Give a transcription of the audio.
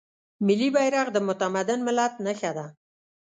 ملي بیرغ د متمدن ملت نښه ده.